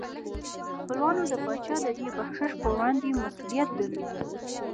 خپلوانو د پاچا د دې بخشش په وړاندې مسؤلیت درلود.